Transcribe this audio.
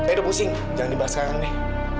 eh do pusing jangan dibahas sekarang nih